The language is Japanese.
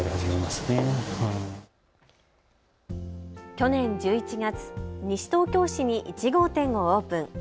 去年１１月、西東京市に１号店をオープン。